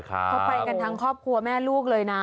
เขาไปกันทั้งครอบครัวแม่ลูกเลยนะ